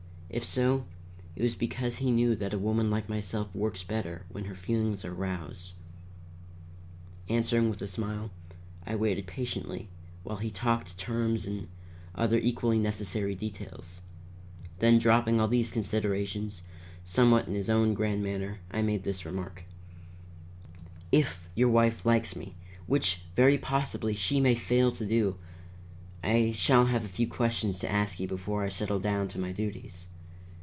If so, it was because he knew that a woman like myself works better when her feelings are roused. Answering with a smile, I waited patiently while he talked terms and other equally necessary details, then dropping all these considerations, somewhat in his own grand manner, I made this remark: "If your wife likes me, which very possibly she may fail to do, I shall have a few questions to ask you before I settle down to my duties.